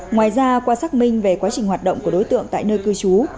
ngoài ra qua xác minh về quá trình hoạt động của đối tượng tại nơi cư trú